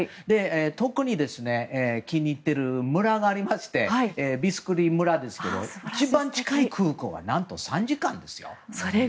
特に気に入っている村がありまして、ビスクリ村ですが一番近い空港は何と３時間ですよ。